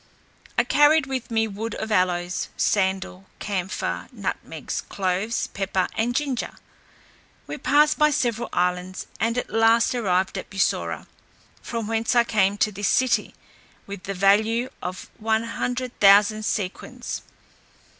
I carried with me wood of aloes, sandal, camphire, nutmegs, cloves, pepper, and ginger. We passed by several islands, and at last arrived at Bussorah, from whence I came to this city, with the value of l00,000 sequins.